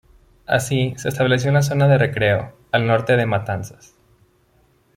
Así, se estableció en la zona de Recreo, al norte de Matanzas.